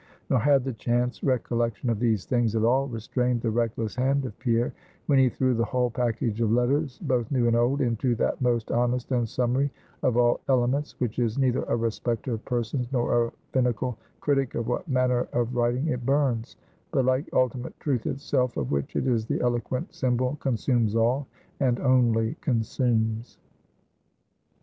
Nor had the chance recollection of these things at all restrained the reckless hand of Pierre, when he threw the whole package of letters, both new and old, into that most honest and summary of all elements, which is neither a respecter of persons, nor a finical critic of what manner of writings it burns; but like ultimate Truth itself, of which it is the eloquent symbol, consumes all, and only consumes.